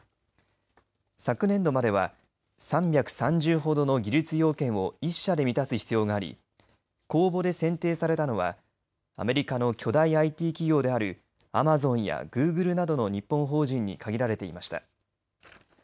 昨年度までは３３０ほどの技術要件を１社で満たす必要があり公募で選定されたのはアメリカの巨大ＩＴ企業であるアマゾンやグーグルなどの日本法人に限られていました。